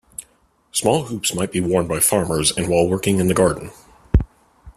Small hoops might be worn by farmers and while working in the garden.